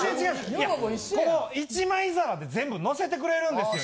いやこの１枚皿で全部のせてくれるんですよ。